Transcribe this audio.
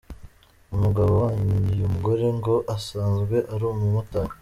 Umugabo w’uyu mugore ngo asanzwe ari umumotari.